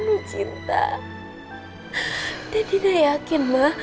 dina mohon jangan serai sama papa ya ma